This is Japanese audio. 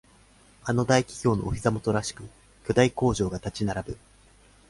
あの大企業のお膝元らしく巨大工場が立ち並ぶ